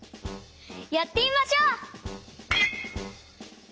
やってみましょう！